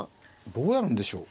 どうやるんでしょう。